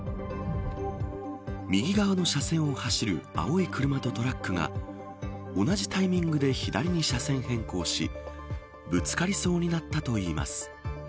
右側の車線を走る青い車とトラックが同じタイミングで左に車線変更しぶつかりそうになったといいます。